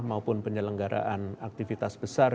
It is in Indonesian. maupun penyelenggaraan aktivitas besar